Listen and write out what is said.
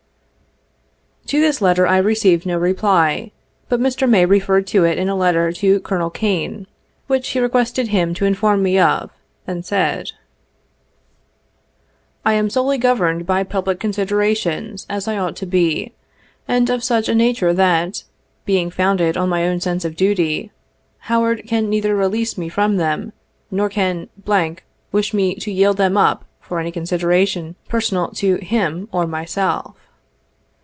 To this letter I received no reply, but Mr. May referred to it in a letter to Colonel Kane, which he requested him to inform me of, and said : 69 " I am solely governed by public considerations, as I ought to be, and of such a nature that, being founded on my own sense of duty, Howard can neither release me from them, nor can wish me to yield them up for any consideration personal to him or myself."